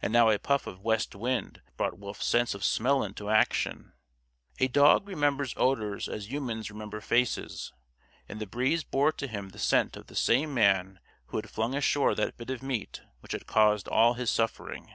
And now a puff of west wind brought Wolf's sense of smell into action. A dog remembers odors as humans remember faces. And the breeze bore to him the scent of the same man who had flung ashore that bit of meat which had caused all his suffering.